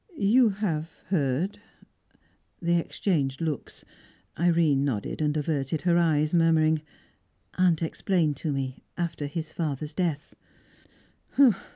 You have heard ?" They exchanged looks. Irene nodded, and averted her eyes, murmuring, "Aunt explained to me, after his father's death."